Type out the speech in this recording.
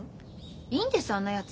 いいんですあんなやつ。